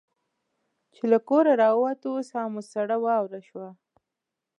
چې له کوره را ووتو ساه مو سړه واوره شوه.